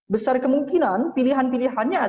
besar kemungkinan pilihan pilihannya adalah